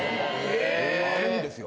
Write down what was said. あるんですよ。